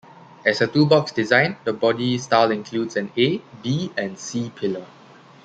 As a two-box design, the body style includes an A, B and C-pillar.